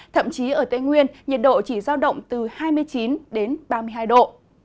thậm chí ở tây nguyên nhiệt độ chỉ giao động từ hai mươi chín đến ba mươi hai độ